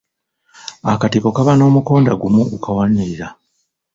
Akatiko kaba n'omukonda gumu ogukawanirira.